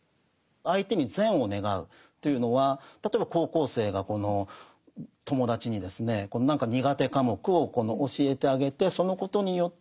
相手に善を願うというのは例えば高校生がこの友達にですね何か苦手科目を教えてあげてそのことによって友達がこの試験をクリアしたり